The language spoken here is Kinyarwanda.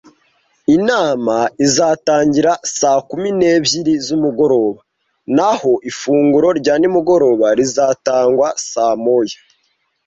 Inama izatangira saa kumi n'ebyiri z'umugoroba naho ifunguro rya nimugoroba rizatangwa saa moya.